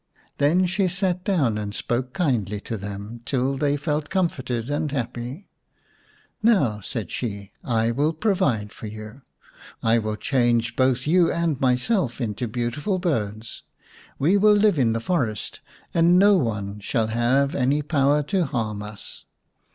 Then she sat down and spoke kindly to them till they felt comforted and happy. " Now," said she, " I will provide for you. I will change both you and myself into beautiful birds. We will live in the forest, and no one shall have any power to harm us."